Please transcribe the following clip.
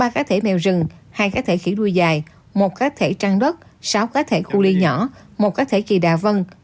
ba cá thể mèo rừng hai cá thể khỉ đuôi dài một cá thể trang đất sáu cá thể khu ly nhỏ một cá thể kỳ đà vân